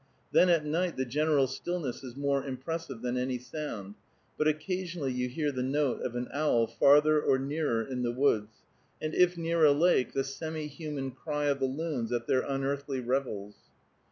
Then at night the general stillness is more impressive than any sound, but occasionally you hear the note of an owl farther or nearer in the woods, and if near a lake, the semihuman cry of the loons at their unearthly revels.